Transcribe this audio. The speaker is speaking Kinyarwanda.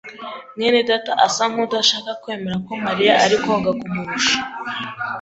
mwene data asa nkudashaka kwemera ko Mariya ari koga kumurusha.